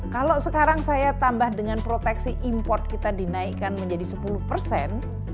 kalau sekarang saya tambah dengan proteksi import kita dinaikkan menjadi sepuluh persen